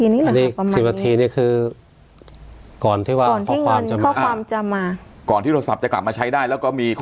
๑๐นาทีนี่แหละค่ะประมาณนี้